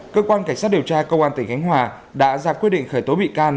cơ quan cảnh sát điều tra công an tỉnh khánh hòa đã ra quyết định khởi tố bị can